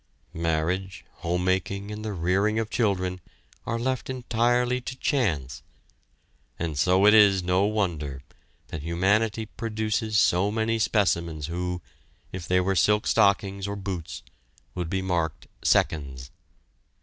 Marriage, homemaking, and the rearing of children are left entirely to chance, and so it is no wonder that humanity produces so many specimens who, if they were silk stockings or boots, would be marked "Seconds."